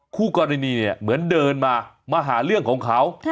คู่กรณีเนี่ยเหมือนเดินมามาหาเรื่องของเขา